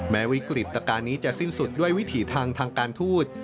วิกฤตการณ์นี้จะสิ้นสุดด้วยวิถีทางทางการทูต